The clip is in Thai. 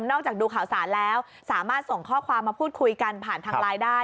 จากดูข่าวสารแล้วสามารถส่งข้อความมาพูดคุยกันผ่านทางไลน์ได้